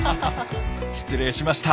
失礼しました。